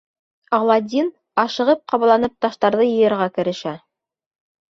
Аладдин ашығып-ҡабаланып таштарҙы йыйырға керешә.